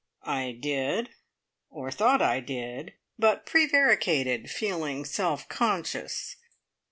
I did, or thought I did, but prevaricated, feeling self conscious.